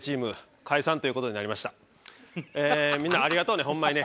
みんなありがとうねホンマにね。